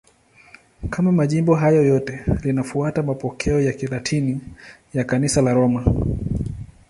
Kama majimbo hayo yote, linafuata mapokeo ya Kilatini ya Kanisa la Roma.